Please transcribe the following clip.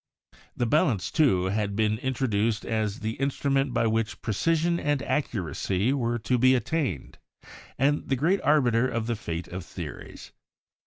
The balance, too, had been in troduced as the instrument by which precision and accu racy were to be attained, and the great arbiter of the fate of theories.